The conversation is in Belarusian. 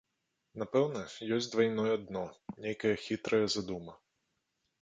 Напэўна, ёсць двайное дно, нейкая хітрая задума.